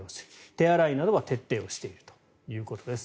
手洗いなどは徹底をしているということです。